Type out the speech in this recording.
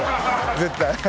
絶対。